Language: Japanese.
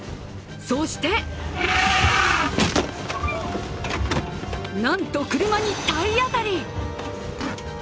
そしてなんと、車に体当たり。